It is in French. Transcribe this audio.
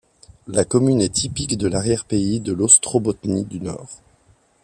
La commune est typique de l'arrière pays de l'Ostrobotnie du Nord.